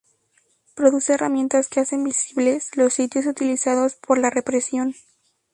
Produce herramientas que hacen "visibles" los sitios utilizados por la represión.